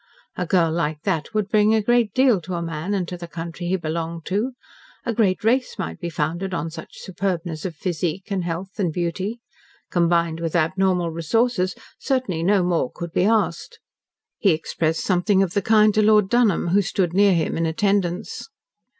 A girl like that would bring a great deal to a man and to the country he belonged to. A great race might be founded on such superbness of physique and health and beauty. Combined with abnormal resources, certainly no more could be asked. He expressed something of the kind to Lord Dunholm, who stood near him in attendance.